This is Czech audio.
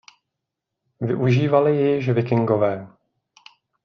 Využívali ji již Vikingové.